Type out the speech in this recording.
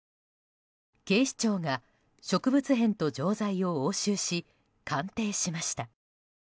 警視庁が植物片と錠剤を押収し鑑定しました。